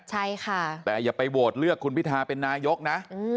ใช่ค่ะแต่อย่าไปโหวตเลือกคุณพิทาเป็นนายกนะ